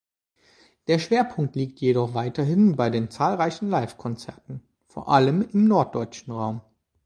Der Schwerpunkt liegt jedoch weiterhin bei den zahlreichen Livekonzerten, vor allem im norddeutschen Raum.